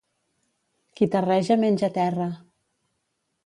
Qui terreja menja terra.